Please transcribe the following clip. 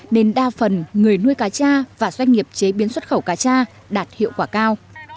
nên đa phần người nuôi cá cha và doanh nghiệp chế biến xuất khẩu cá cha đạt hiệu quả cao